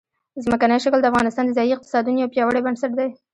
ځمکنی شکل د افغانستان د ځایي اقتصادونو یو پیاوړی بنسټ دی.